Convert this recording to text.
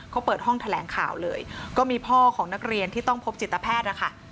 เขาเปิดห้องแถลงข่าวเลยก็มีพ่อของนักเรียนที่ต้องพบจิตแพทย์นะคะ